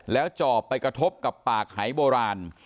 แล้วจอบไปกระทบกับปากหายโบราณ